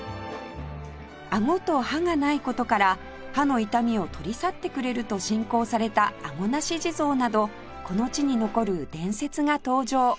あごと歯がない事から歯の痛みを取り去ってくれると信仰されたあごなし地蔵などこの地に残る伝説が登場